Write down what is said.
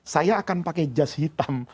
saya akan pakai jas hitam